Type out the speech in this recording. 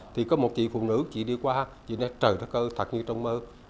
thì có một chị phụ nữ chị đi qua chị nói trời đất ơi thật như trong mơ